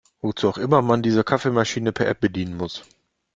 Wozu auch immer man seine Kaffeemaschine per App bedienen muss.